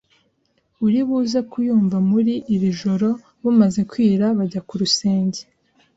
uri buze kuyumva muri iri joro Bumaze kwira bajya ku rusenge